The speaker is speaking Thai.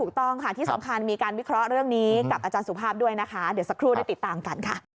ถูกต้องค่ะที่สำคัญมีการวิเคราะห์เรื่องนี้กับอาจารย์สุภาพด้วยนะคะเดี๋ยวสักครู่ได้ติดตามกันค่ะ